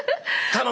頼む！